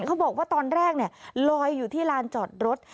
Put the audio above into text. เขาบอกว่าตอนแรกลอยอยู่ที่ลานจอดรถ